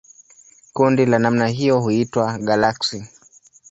Kundi la namna hiyo huitwa galaksi.